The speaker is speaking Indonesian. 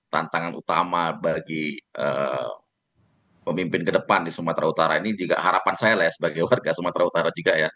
tantangan utama bagi pemimpin kedepan di sumatera utara ini juga harapan saya sebagai warga sumatera utara juga ya